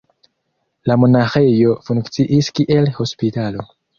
La monaĥejo funkciis kiel hospitalo.